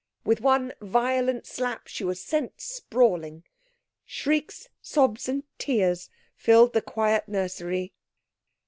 With one violent slap she was sent sprawling. Shrieks, sobs and tears filled the quiet nursery.